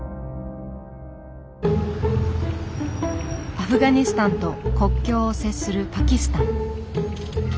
アフガニスタンと国境を接するパキスタン。